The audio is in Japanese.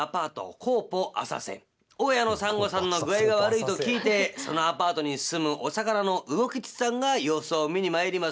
大家のサンゴさんの具合が悪いと聞いてそのアパートに住むお魚のうおきちさんが様子を見に参りますと。